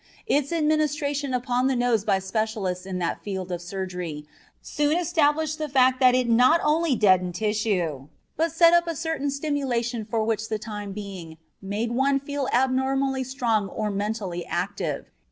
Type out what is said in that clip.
Its administration upon the nose by specialists in that field of surgery soon established the fact that it not only deadened tissue, but set up a certain stimulation which for the time being made one feel abnormally strong or mentally active.